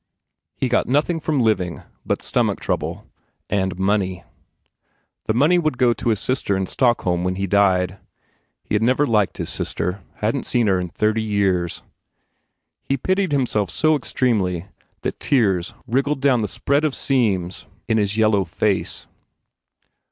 He got nothing from living but stomach trouble and money. The money would go to his sister in Stockholm when he died. He had never liked his sister, hadn t seen her in thirty years. He pitied himself so extremely that tears wriggled down the spread of seams in his yellow face.